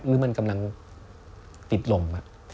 หรือมันกำลังติดลม